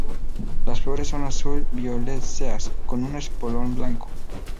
Las flores son azul-violáceas, con un espolón blanco.